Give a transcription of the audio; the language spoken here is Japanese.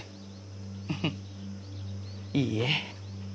フフいいえ。